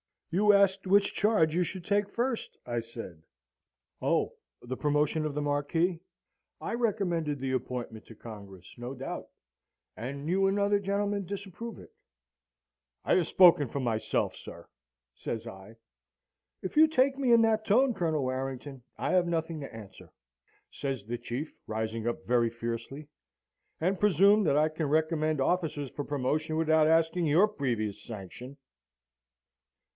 "'You asked which charge you should take first?' I said. "'Ch, the promotion of the Marquis? I recommended the appointment to Congress, no doubt; and you and other gentlemen disapprove it.' "'I have spoken for myself, sir,' says I. "'If you take me in that tone, Colonel Warrington, I have nothing to answer!' says the Chief, rising up very fiercely; 'and presume that I can recommend officers for promotion without asking your previous sanction.'